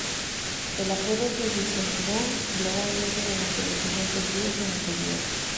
El apodo se diseminó globalmente durante los siguientes días en internet.